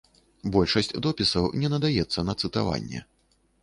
Большасць допісаў не надаецца на цытаванне.